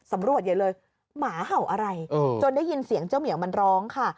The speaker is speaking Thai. สำรวจอย่างเลยหมาเผ่าอะไรอืมจนได้ยินเสียงเจ้าเมียมันร้องค่ะ